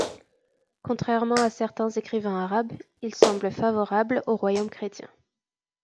Contrairement à certains écrivains arabes, il semble favorables aux royaumes chrétiens.